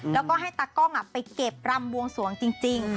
แล้วก็ให้ตากล้องไปเก็บรำบวงสวงจริงค่ะ